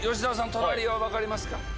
隣は分かりますか？